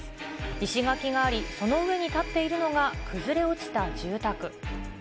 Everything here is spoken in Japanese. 石垣がありその上に建っているのが崩れ落ちた住宅。